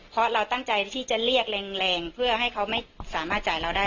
เพราะเราตั้งใจที่จะเรียกแรงเพื่อให้เขาไม่สามารถจ่ายเราได้